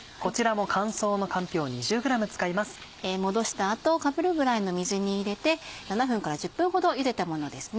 もどした後かぶるぐらいの水に入れて７分から１０分ほどゆでたものですね。